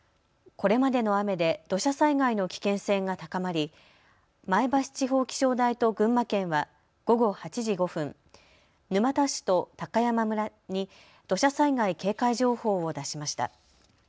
これまでの雨で土砂災害の危険性が高まり前橋地方気象台と群馬県は午後８時５分、沼田市と高山村に土砂災害警戒情報を出しました。